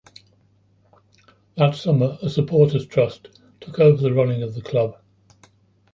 That summer, a supporters' trust took over the running of the club.